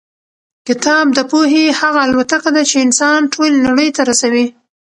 کتاب د پوهې هغه الوتکه ده چې انسان ټولې نړۍ ته رسوي.